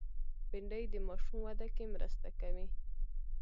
بېنډۍ د ماشوم وده کې مرسته کوي